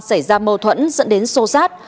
xảy ra mâu thuẫn dẫn đến sô sát